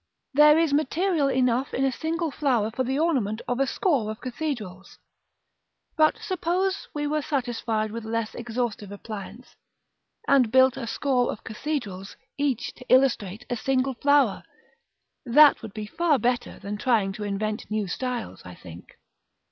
There is material enough in a single flower for the ornament of a score of cathedrals, but suppose we were satisfied with less exhaustive appliance, and built a score of cathedrals, each to illustrate a single flower? that would be better than trying to invent new styles, I think.